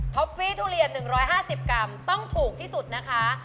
ฟี่ทุเรียน๑๕๐กรัมต้องถูกที่สุดนะคะ